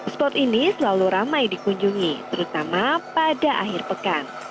spot ini selalu ramai dikunjungi terutama pada akhir pekan